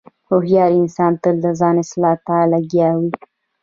هوښیار انسان تل د ځان اصلاح ته لګیا وي.